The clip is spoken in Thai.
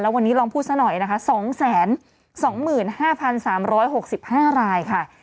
วันนี้ลองพูดซะหน่อยนะคะ๒๒๕๓๖๕รายค่ะ